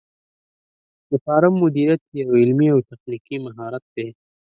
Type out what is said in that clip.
د فارم مدیریت یو علمي او تخنیکي مهارت دی.